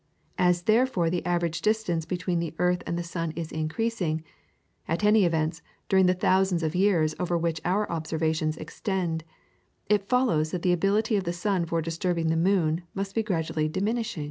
As therefore the average distance between the earth and the sun is increasing, at all events during the thousands of years over which our observations extend, it follows that the ability of the sun for disturbing the moon must be gradually diminishing.